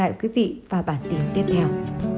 hẹn gặp lại quý vị vào bản tin tiếp theo